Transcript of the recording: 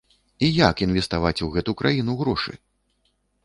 І як інвеставаць у гэту краіну грошы?!